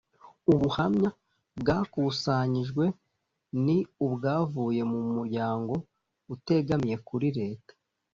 ubuhamya bwakusanyijwe ni ubwavuye mu muryango utegamiye kuri leta